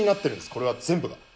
これが全部が。